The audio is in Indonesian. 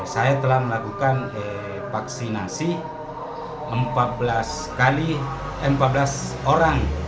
saya telah melakukan vaksinasi empat belas x empat belas orang